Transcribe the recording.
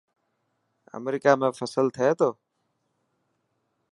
امريڪا ۾ فصل ٿي ٿو؟